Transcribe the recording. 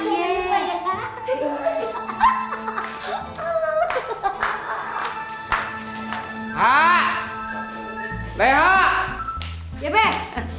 jangan lupa ya mak